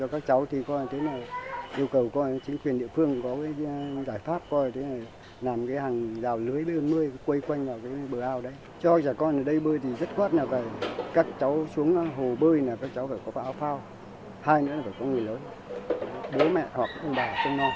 các cháu xuống hồ bơi là các cháu phải có áo phao hai nữa là phải có người lớn bố mẹ hoặc ông bà chân non